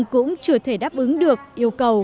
cũng chưa thể đáp ứng được yêu cầu